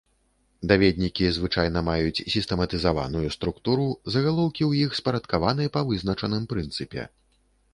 Даведнікі звычайна маюць сістэматызаваную структуру, загалоўкі ў іх спарадкаваны па вызначаным прынцыпе.